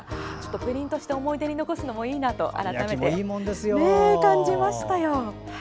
プリントして思い出に残すのもいいなと改めて感じました。